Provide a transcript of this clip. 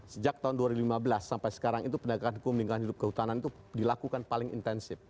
sejak tahun dua ribu lima belas sampai sekarang itu penegakan hukum lingkungan hidup kehutanan itu dilakukan paling intensif